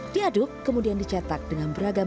diaduk kemudian dicetak dengan beragam